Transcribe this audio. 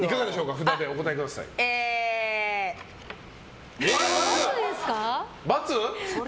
札でお答えください。×？